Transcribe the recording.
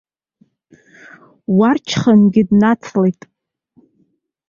Уарчхангьы днацралеит.